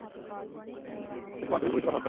তিনি খুব আন্তরিক ভঙ্গিতে কথাবার্তা বললেন।